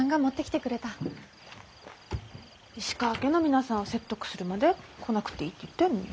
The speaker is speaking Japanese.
石川家の皆さんを説得するまで来なくていいって言ってるのに。